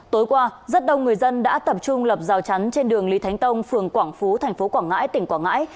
tối qua rất đông người dân đã tập trung lập rào chắn trên đường lý thánh tông phường quảng phú tp quảng ngãi tỉnh quảng ngãi